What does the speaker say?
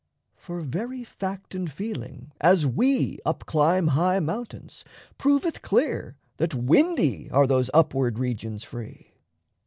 For very fact and feeling, As we up climb high mountains, proveth clear That windy are those upward regions free.